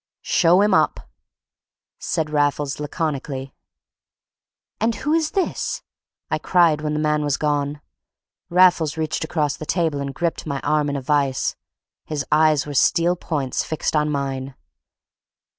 "Show him up," said Raffles, laconically. "And who is this?" I cried when the man was gone. Raffles reached across the table and gripped my arm in a vice. His eyes were steel points fixed on mine.